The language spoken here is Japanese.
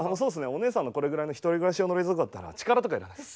おねえさんのこれぐらいの１人暮らし用の冷蔵庫だったら力とか要らないです。